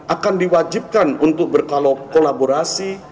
akan diwajibkan untuk berkolaborasi